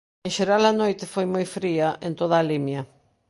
En xeral a noite foi moi fría en toda a Limia.